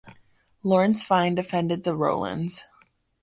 Lawrence Vine defended the Rowlands.